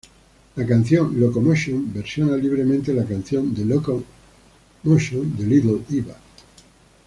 La canción "Locomotion" versiona libremente la canción "The Loco-Motion" de Little Eva.